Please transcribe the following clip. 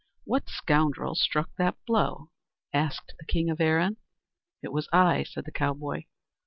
"What scoundrel struck that blow?" asked the king of Erin. "It was I," said the cowboy.